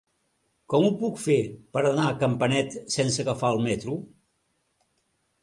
Com ho puc fer per anar a Campanet sense agafar el metro?